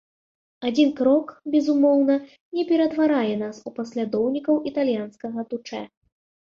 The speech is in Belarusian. Адзін крок, безумоўна, не ператварае нас у паслядоўнікаў італьянскага дучэ.